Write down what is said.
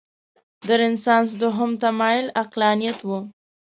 د رنسانس دویم تمایل عقلانیت و.